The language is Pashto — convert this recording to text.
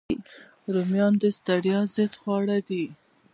رومیان د ستړیا ضد خواړه دي